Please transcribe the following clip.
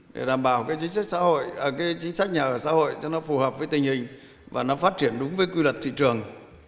để đảm bảo cái chính sách nhà ở xã hội cho nó phù hợp với tình hình và nó phát triển đúng với quy luật thị trường